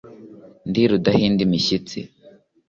ndi rudahindimishyitsi